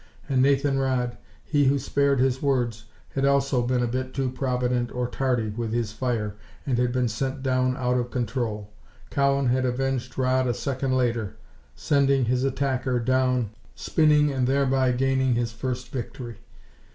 And Nathan Rodd, he who spared his words, had also been a bit too provident or tardy with his fire and had been sent down out of control. Cowan had avenged Rodd a second later, sending his attacker down spinning and thereby gaining his first victory.